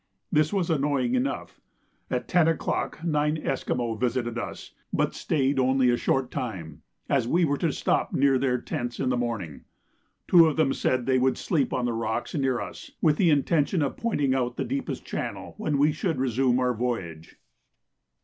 This was annoying enough. At 10 o'clock nine Esquimaux visited us, but staid only a short time, as we were to stop near their tents in the morning. Two of them said they would sleep on the rocks near us, with the intention of pointing out the deepest channel when we should resume our voyage.